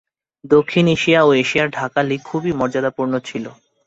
দক্ষিণ এশিয়া ও এশিয়ায় ঢাকা লীগ খুবই মর্যাদাপূর্ণ ছিল।